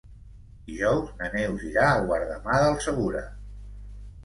Dijous na Neus irà a Guardamar del Segura.